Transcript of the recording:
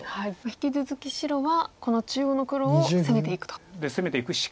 引き続き白はこの中央の黒を攻めていくと。